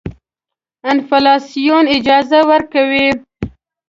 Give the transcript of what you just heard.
انفلاسیون اجازه ورکوي.